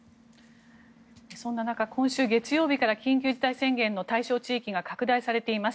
そんな中、今週月曜日から緊急事態宣言の対象地域が拡大されています。